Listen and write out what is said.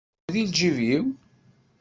Ad tt-tafem di lǧib-iw?